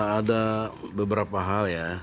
ada beberapa hal ya